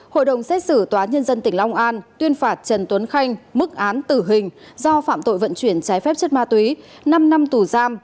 hội đồng xét xử tòa nhân dân tỉnh long an tuyên phạt trần tuấn khanh mức án tử hình do phạm tội vận chuyển trái phép chất ma túy năm năm tù giam